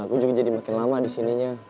aku juga jadi makin lama disininya